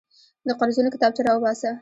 د قرضونو کتابچه راوباسه.